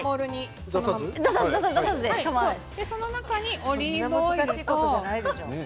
その中にオリーブオイルと。